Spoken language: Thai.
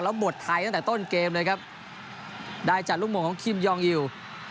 แล้วหมดไทยตั้งแต่ต้นเกมเลยครับได้จากลูกโมงของคิมยองยิว